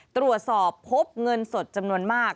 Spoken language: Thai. ตรวจสอบพบเงินสดจำนวนมาก